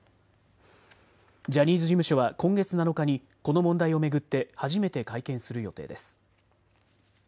ジャニーズ事務所は今月７日にこの問題を巡って初めて会見する予定です。